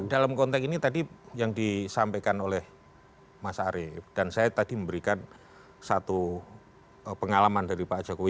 dalam konteks ini tadi yang disampaikan oleh mas arief dan saya tadi memberikan satu pengalaman dari pak jokowi